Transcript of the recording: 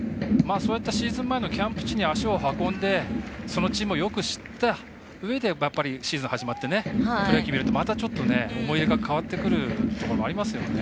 そうやってシーズン前のキャンプ地に足を運んでそのチームをよく知ったうえでシーズン始まってプロ野球見ると思い入れがまたちょっと変わってくるところもありますよね。